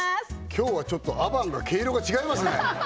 今日はちょっとアバンが毛色が違いますね